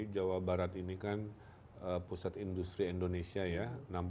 jawa barat ini kan pusat industri indonesia ya